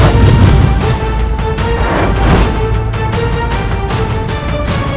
aku tidak percaya realised apel